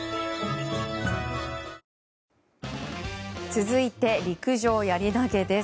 続いて陸上やり投げです。